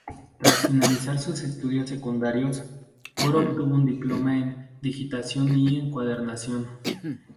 Tras finalizar sus estudios secundarios, Bora obtuvo un diploma en digitación y encuadernación.